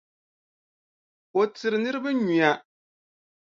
O tiri niriba nyuya.